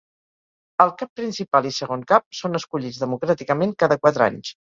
El Cap Principal i Segon Cap són escollits democràticament cada quatre anys.